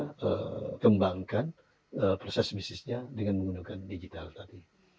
kita kembangkan proses bisnisnya dengan menggunakan digital tadi